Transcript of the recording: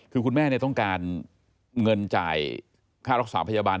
คือคุณแม่ต้องการเงินจ่ายค่ารักษาพยาบาล